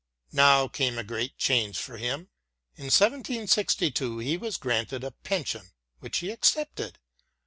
Now came a great change for him. In 1762 he was granted a pension, which he accepted.